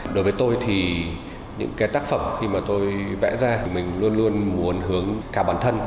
đối với tôi thì những cái tác phẩm khi mà tôi vẽ ra mình luôn luôn muốn hướng cả bản thân